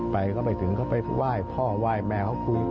ไปเขาไปถึงเขาไปว่ายพ่อว่ายแม่เขาคุย